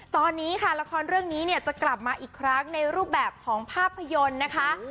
ตอนนี้ค่ะละครเรื่องนี้เนี่ยจะกลับมาอีกครั้งในรูปแบบของภาพยนตร์นะคะ